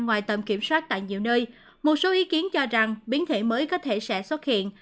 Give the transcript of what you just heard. ngoài tầm kiểm soát tại nhiều nơi một số ý kiến cho rằng biến thể mới có thể sẽ xuất hiện